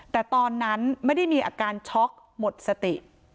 แต่ตอนนั้นไม่ได้มีอาการช็อกหมดสติ